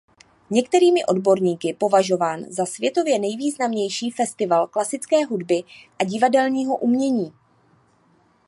Některými odborníky považován za světově nejvýznamnější festival klasické hudby a divadelního umění.